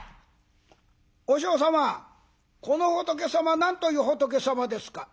「和尚様この仏様何という仏様ですか？」。